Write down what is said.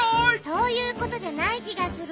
そういうことじゃないきがする。